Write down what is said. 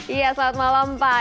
iya selamat malam pak